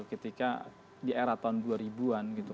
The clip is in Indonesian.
ketika di era tahun dua ribu an gitu